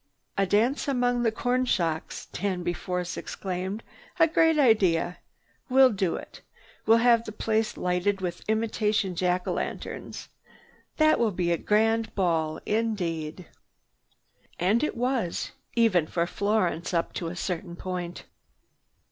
"A dance among the corn shocks!" Danby Force exclaimed. "A great idea! We'll do it. We'll have the place lighted with imitation jack o lanterns. That will be a grand ball indeed." And it was, even for Florence, up to a certain point.